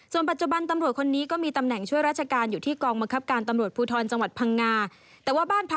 ส่วนปัจจุบันตำรวจคนนี้ก็มีตำแหน่งช่วยราชการอยู่ที่กองบังคับการตำรวจภูทรจังหวัดพังงาแต่ว่าบ้านพัก